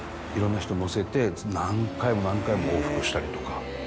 何回も何回も往復したりとか。